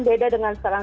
beda dengan sekarang